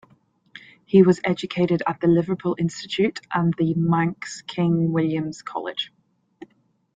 He was educated at the Liverpool Institute and the Manx King William's College.